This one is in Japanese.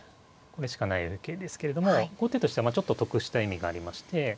これしかない受けですけれども後手としてはちょっと得した意味がありまして。